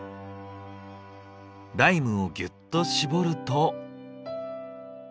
ライムをギュッと搾ると。